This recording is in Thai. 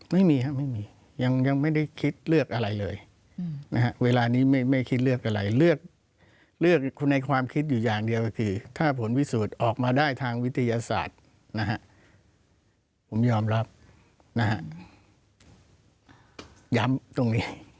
ไม่มีครับไม่มียังไม่ได้คิดเลือกอะไรเลยนะฮะเวลานี้ไม่คิดเลือกอะไรเลือกในความคิดอยู่อย่างเดียวก็คือถ้าผลพิสูจน์ออกมาได้ทางวิทยาศาสตร์นะฮะผมยอมรับนะฮะย้ำตรงนี้